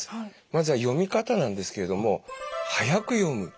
まずは読み方なんですけれども速く読む。